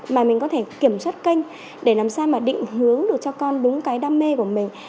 mà mình có thể kiểm soát kênh để làm sao mà định hướng được cho con đúng cái đam mê của mình